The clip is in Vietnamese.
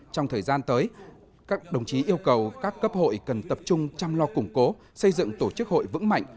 trong thời gian tới các đồng chí yêu cầu các cấp hội cần tập trung chăm lo củng cố xây dựng tổ chức hội vững mạnh